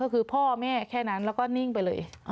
ก็คือพ่อแม่แค่นั้นแล้วก็นิ่งไปเลย